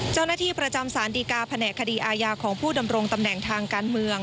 เจ้าหน้าที่ประจำสารดีกาแผนกคดีอาญาของผู้ดำรงตำแหน่งทางการเมือง